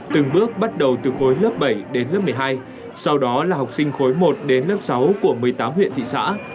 từng bước bắt đầu từ khối lớp bảy đến lớp một mươi hai sau đó là học sinh khối một đến lớp sáu của một mươi tám huyện thị xã